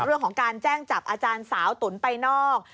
เรื่องของการแจ้งจับอาจารย์สาวตุ๋นไปนอก